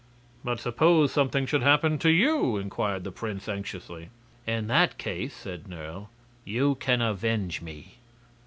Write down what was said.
"But suppose something should happen to you?" inquired the prince, anxiously. "In that case," said Nerle, "you can avenge me."